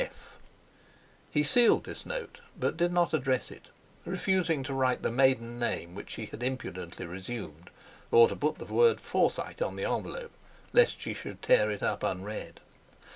'S. F.'" He sealed this note but did not address it, refusing to write the maiden name which she had impudently resumed, or to put the word Forsyte on the envelope lest she should tear it up unread.